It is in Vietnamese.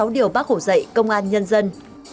sáu điều bác hồ dạy công an nhân dân